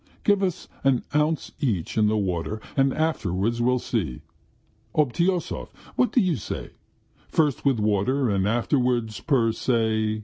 . Give us an ounce each in the water, and afterwards we'll see. ... Obtyosov, what do you say? First with water and afterwards per se.